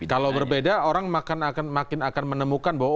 kalau berbeda orang makin akan menemukan bahwa